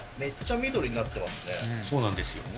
そうなんですよ。